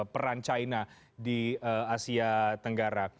peran china di asia tenggara